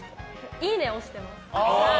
いいねを押してます。